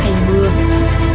hay hoàn cảnh ngặt nghèo